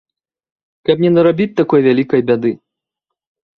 Каб не нарабіць такой вялікай бяды.